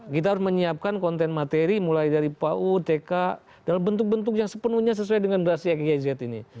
kita harus menyiapkan konten materi mulai dari pau tk dalam bentuk bentuk yang sepenuhnya sesuai dengan rahasia gz ini